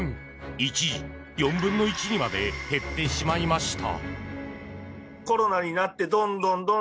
一時、４分の１にまで減ってしまいました。